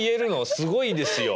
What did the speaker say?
すごいですよ。